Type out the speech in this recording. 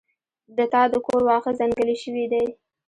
د تا د کور واښه ځنګلي شوي دي